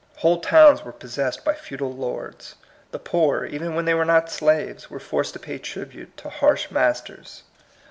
Whole towns were possessed by feudal lords. The poor, even when they were not slaves, were forced to pay tribute to harsh masters.